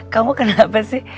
kamu kenapa sih